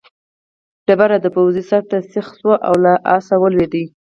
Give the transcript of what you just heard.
ډبره د پوځي سر ته سیخه شوه او له آسه ولوېد.